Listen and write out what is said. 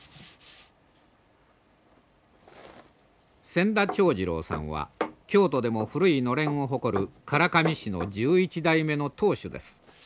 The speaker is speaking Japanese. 千田長次郎さんは京都でも古いのれんを誇る唐紙師の１１代目の当主です。